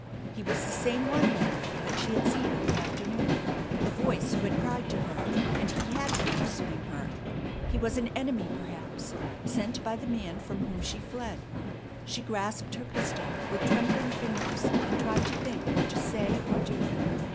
He was the same one, then, that she had seen in the afternoon, the voice who had cried to her; and he had been pursuing her. He was an enemy, perhaps, sent by the man from whom she fled. She grasped her pistol with trembling fingers, and tried to think what to say or do.